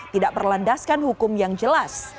tidak berlandaskan hukum yang jelas